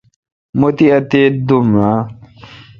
مہ تی اتیت دوم اں